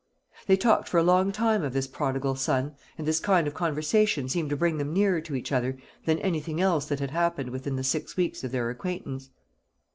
They talked for a long time of this prodigal son; and this kind of conversation seemed to bring them nearer to each other than anything else that had happened within the six weeks of their acquaintance.